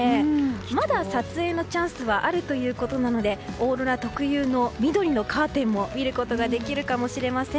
まだ撮影のチャンスはあるということなのでオーロラ特有の緑のカーテンも見ることができるかもしれません。